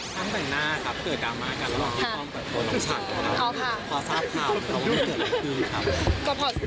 ช่างแต่งหน้าครับเกิดราม่ากันหลังพี่ป้อมกับน้องฉัตต์